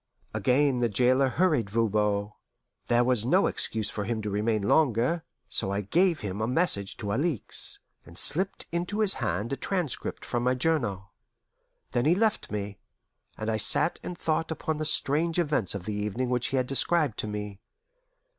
Again the jailer hurried Voban; There was no excuse for him to remain longer; so I gave him a message to Alixe, and slipped into his hand a transcript from my journal. Then he left me, and I sat and thought upon the strange events of the evening which he had described to me.